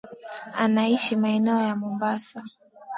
Anaishi maeneo ya mombasa